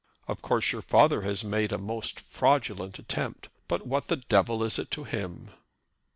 Of course your father has made a most fraudulent attempt; but what the devil is it to him?"